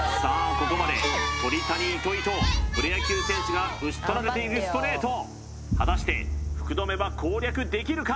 ここまで鳥谷糸井とプロ野球選手が打ち取られているストレート果たして福留は攻略できるか？